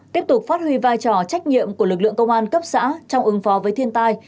tiếp tục phát huy vai trò trách nhiệm của lực lượng công an cấp xã trong ứng phó với thiên tai